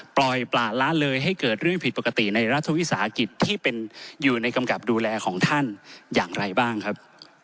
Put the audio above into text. ปล่อยปลาละเลยให้เกิดเรื่องผิดปกติในรัฐวิสาหกิจที่เป็นอยู่ในกำกับดูแลของท่านอย่างไรบ้างครับ